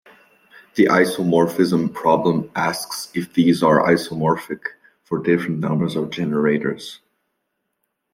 The isomorphism problem asks if these are isomorphic for different numbers of generators.